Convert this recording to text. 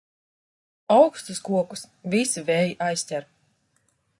Augstus kokus visi vēji aizķer.